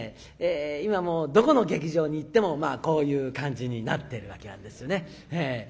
今もうどこの劇場に行ってもこういう感じになってるわけなんですよね。